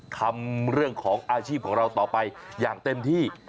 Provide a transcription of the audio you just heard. ทำเรื่องของอาชีพของเราต่อไปอย่างเต็มที่